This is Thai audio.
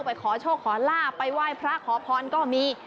ไปขอโชคขอลาบไปไหว้พระขอพรก็มี